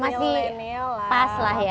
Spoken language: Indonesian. masih pas lah ya